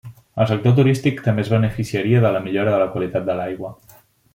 El sector turístic també es beneficiaria de la millora de la qualitat de l’aigua.